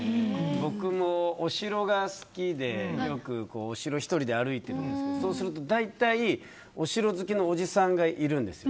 僕もお城が好きでよくお城１人で歩いているんですけどそうすると、大体お城好きのおじさんがいるんです。